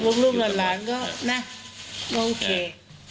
ลูกหลานก็นะโอเค